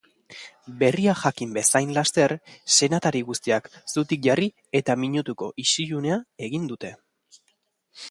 Berria jakin bezain laster senatari guztiak zutik jarri eta minutuko isilunea egin dute.